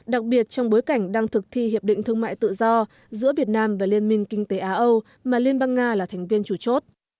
đặc biệt trong bối cảnh đang thực thi hiệp định thương mại tự do giữa việt nam và liên minh kinh tế á âu mà liên bang nga là thành viên chủ chốt